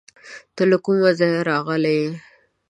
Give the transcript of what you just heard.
ته له کوم ځایه راغلی یې؟